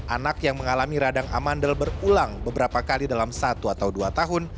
anak yang mengalami radang amandel berulang beberapa kali dalam satu atau dua tahun